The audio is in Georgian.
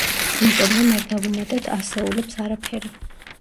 იმიტომ რომ არ დავუმატეთ ასეულებს არაფერი.